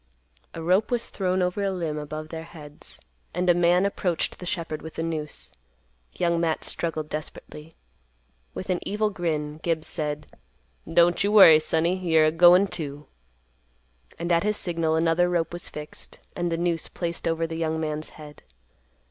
A rope was thrown over a limb above their heads, and a man approached the shepherd with the noose. Young Matt struggled desperately. With an evil grin, Gibbs said, "Don't you worry, sonny; you're a goin', too." And at his signal another rope was fixed, and the noose placed over the young man's head.